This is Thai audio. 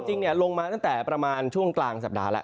จริงลงมาตั้งแต่ประมาณช่วงกลางสัปดาห์แล้ว